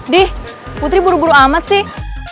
dih putri buru buru amat sih